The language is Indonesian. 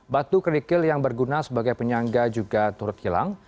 batu kerikil yang berguna sebagai penyangga juga turut hilang